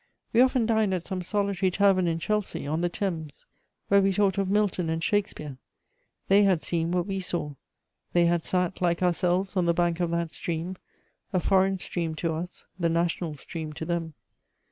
We often dined at some solitary tavern in Chelsea, on the Thames, where we talked of Milton and Shakespeare: they had seen what we saw; they had sat, like ourselves, on the bank of that stream, a foreign stream to us, the national stream to them.